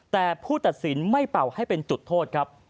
แต่ผู้ตัดสินไม่เป่าให้เป็นจุดโทษครับ